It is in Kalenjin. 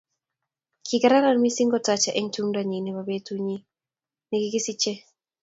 Kikararan mising kotacha eng tumdo nyi nebo betut nyi nekikisiche